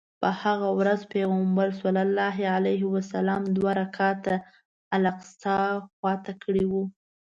په هغه ورځ پیغمبر صلی الله علیه وسلم دوه رکعته الاقصی خواته کړی و.